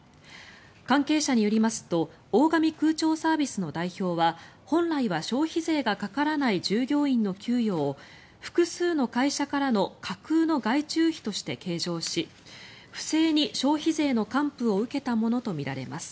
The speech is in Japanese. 関係者によりますと大上空調サービスの代表は本来は消費税がかからない従業員の給与を複数の会社からの架空の外注費として計上し不正に消費税の還付を受けたものとみられます。